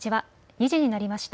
２時になりました。